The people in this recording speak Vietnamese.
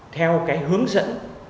theo cái hướng dẫn